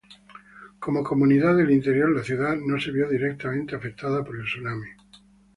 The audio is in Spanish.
Como comunidad del interior, la ciudad no se vio directamente afectada por el tsunami.